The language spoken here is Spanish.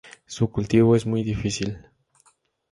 Su cultivo es muy difícil.